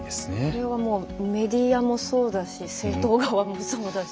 これはもうメディアもそうだし政党側もそうだし。